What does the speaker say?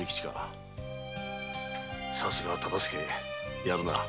さすが忠相やるなぁ。